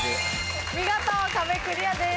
見事壁クリアです。